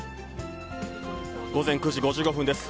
午前９時５５分です。